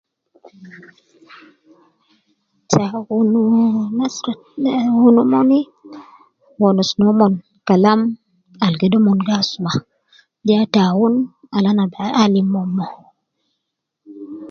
Ta awun anas, ne awun omon wonus nomon Kalam al kede omon gi asuma, de ya ta awun al ana alim mon mo